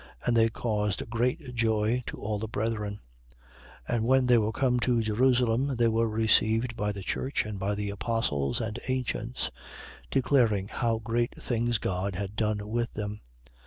And they caused great joy to all the brethren. 15:4. And when they were come to Jerusalem, they were received by the church and by the apostles and ancients, declaring how great things God had done with them.